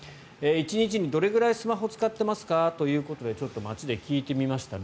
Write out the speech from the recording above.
１日にどれぐらいスマホを使っていますかということでちょっと街で聞いてみました。